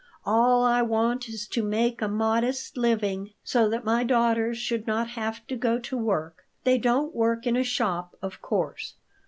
All I want is to make a modest living, so that my daughters should not have to go to work. They don't work in a shop, of course.